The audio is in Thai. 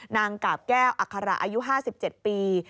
นางกาบแก้วอัคระอายุ๕๗ปี